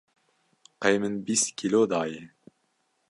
qey min bîst kîlo daye.